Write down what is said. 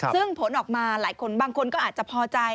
ซึ่งผลออกมาหลายคนบางคนก็อาจจะพอใจ